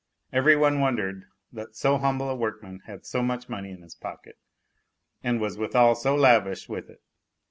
Every one wondered that so humble a workman had so much money in his pocket, and was withal so lavish with it.